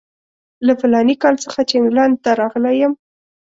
له فلاني کال څخه چې انګلینډ ته راغلی یم.